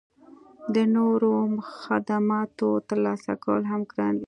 د نورو خدماتو ترلاسه کول هم ګران وي